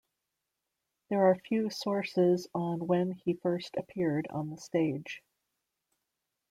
There are few sources on when he first appeared on the stage.